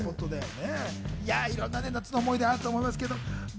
いろんな夏の思い出があると思いますけど。